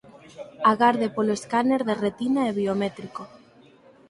Agarde polo escáner de retina e biométrico.